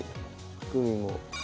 グミも。